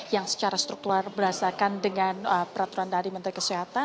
yang secara struktural berdasarkan dengan peraturan dari menteri kesehatan